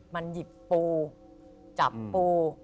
มันหยิบปูจับปู